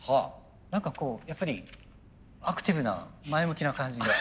何かこうやっぱりアクティブな前向きな感じが。